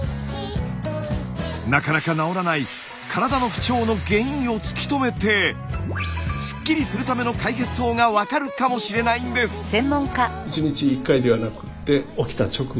なかなか治らない体の不調の原因を突き止めてスッキリするための解決法が分かるかもしれないんです！